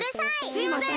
すいません！